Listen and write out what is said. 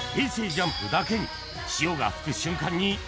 ＪＵＭＰだけに◆繊